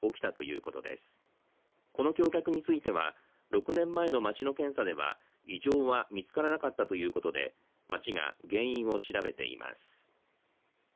この橋脚については６年前の町の検査では異常は見つからなかったということで町が原因を調べています。